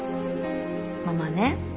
ママね